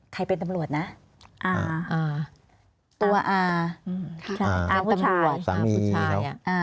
ใครเป็นตำรวจนะอาร์มอาร์มตัวอาร์มอาร์มผู้ชายอาร์มผู้ชาย